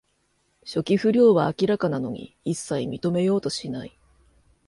初期不良は明らかなのに、いっさい認めようとしない